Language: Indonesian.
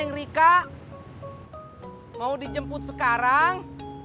yang rika mau dijemput sekarang